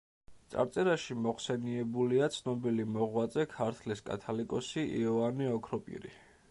წარწერაში მოხსენიებულია ცნობილი მოღვაწე ქართლის კათალიკოსი იოანე ოქროპირი.